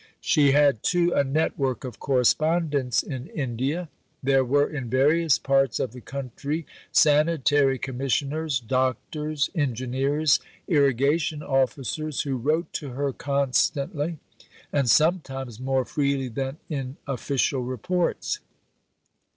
She had, too, a network of correspondents in India. There were in various parts of the country Sanitary Commissioners, doctors, engineers, Irrigation officers, who wrote to her constantly, and sometimes more freely than in official reports.